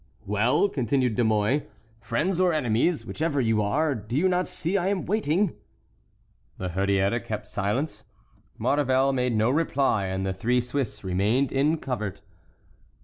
"Well," continued De Mouy, "friends or enemies, whichever you are, do you not see I am waiting?" La Hurière kept silence, Maurevel made no reply, and the three Swiss remained in covert.